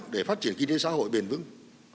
để phát triển kinh tế xã hội bền vững